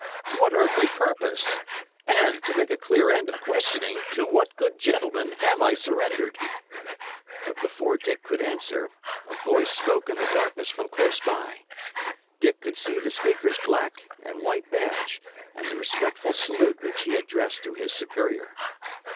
to what earthly purpose? and, to make a clear end of questioning, to what good gentleman have I surrendered?" But before Dick could answer, a voice spoke in the darkness from close by. Dick could see the speaker's black and white badge, and the respectful salute which he addressed to his superior.